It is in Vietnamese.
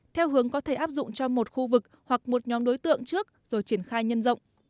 theo hướng có thể áp dụng cho một khu vực hoặc một nhóm đối tượng trước rồi triển khai nhân rộng